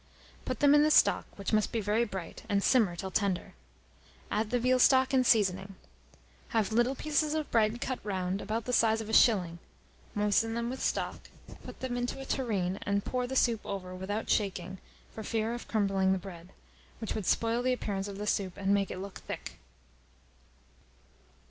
Put them in the stock, which must be very bright, and simmer till tender. Add the veal stock and seasoning. Have little pieces of bread cut round, about the size of a shilling; moisten them with stock; put them into a tureen and pour the soup over without shaking, for fear of crumbling the bread, which would spoil the appearance of the soup, and make it look thick.